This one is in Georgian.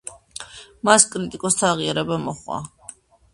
მას კრიტიკოსთა აღიარება მოჰყვა.